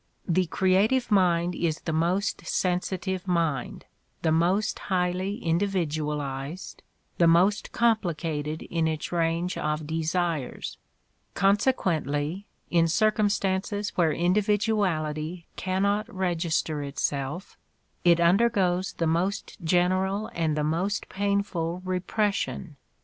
The creative mind is the most sensitive mind, the most highly individualized, the most compli cated in its range of desires: consequently, in circum stances where individuality cannot register itself, it undergoes the most general and the most painful repres sion.